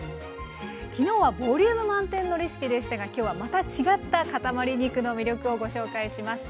昨日はボリューム満点のレシピでしたが今日はまた違ったかたまり肉の魅力をご紹介します。